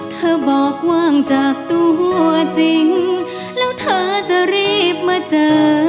เธอบอกว่างจากตัวจริงแล้วเธอจะรีบมาเจอ